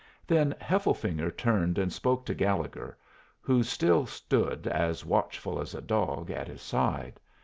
Then Hefflefinger turned and spoke to Gallegher, who still stood as watchful as a dog at his side.